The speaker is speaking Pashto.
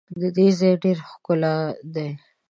د دې ځای ډېر ښکلا دي.